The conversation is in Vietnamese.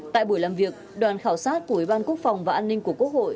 tại buổi làm việc đoàn khảo sát của ủy ban quốc phòng và an ninh của quốc hội